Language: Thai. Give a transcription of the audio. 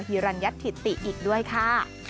ฮรัญญัติถิติอีกด้วยค่ะ